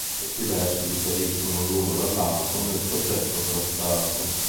Questi versi differiscono l'uno dall'altro nel soggetto trattato.